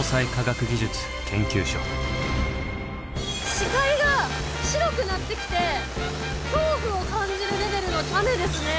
視界が白くなってきて恐怖を感じるレベルの雨ですね。